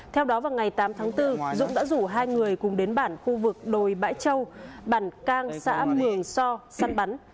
theo đó vào ngày tám tháng bốn dũng đã rủ hai người cùng đến bản khu vực đồi bãi châu bản cang xã mường so săn bắn